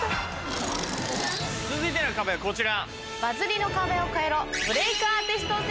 続いての壁はこちら。